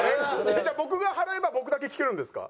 じゃあ僕が払えば僕だけ聞けるんですか？